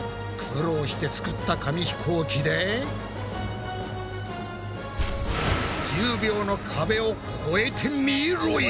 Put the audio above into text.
苦労して作った紙ひこうきで１０秒の壁をこえてみろや！